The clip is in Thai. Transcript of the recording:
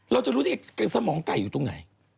เราจะรู้ได้ไงสมองไก่อยู่ตรงไหน